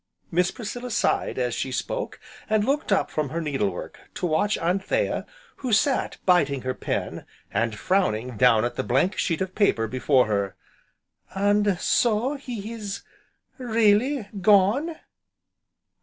Miss Priscilla sighed as she spoke, and looked up from her needle work to watch Anthea who sat biting her pen, and frowning down at the blank sheet of paper before her. "And so, he is really gone?"